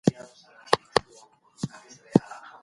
هغه د خپلو شعرونو له لارې د عشق او صوفۍ تعلیم ورکولو.